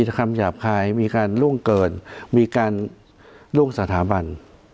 คำหยาบคายมีการล่วงเกินมีการล่วงสถาบัน